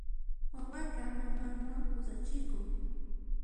Wawaqa mamanwan pusachikun.